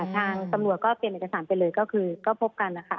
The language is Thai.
ทางตำรวจก็เตรียมเอกสารไปเลยก็คือก็พบกันนะคะ